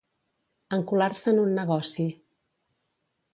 Encular-se en un negoci.